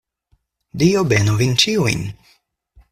Dio benu vin ĉiujn.